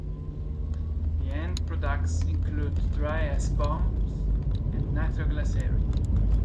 The end products include dry ice bombs and nitroglycerin.